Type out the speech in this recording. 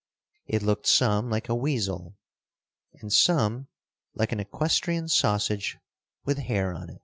It looked some like a weasel and some like an equestrian sausage with hair on it.